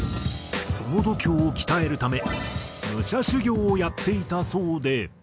その度胸を鍛えるため武者修行をやっていたそうで。